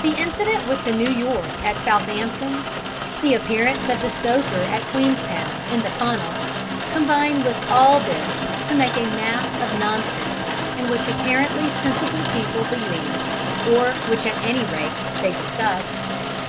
The incident with the New York at Southampton, the appearance of the stoker at Queenstown in the funnel, combine with all this to make a mass of nonsense in which apparently sensible people believe, or which at any rate they discuss.